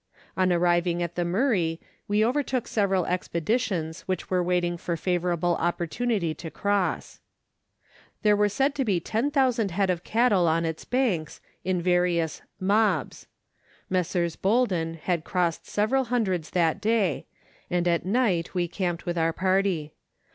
On arriving at the Murray, we overtook several expeditions which were waiting for a favourable opportunity to cross. There were said to be 10,000 head of cattle on its banks, in various " mobs." Messrs. Bolden had crossed several hundreds that day, and at night we camped Avith their party.